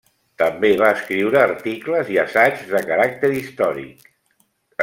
També va escriure articles i assaigs de caràcter històric.